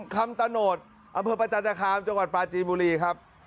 คำตาโนธอำเภพประจันทร์นาคารจังหวัดปลาจีมุรีครับ